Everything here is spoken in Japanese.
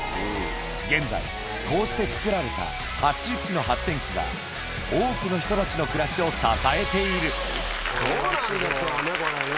現在、こうして造られた８０基の発電機が、多くの人たちの暮らしを支えどうなんでしょうね、これね。